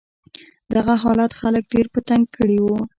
دغه حالت خلک ډېر په تنګ کړي و.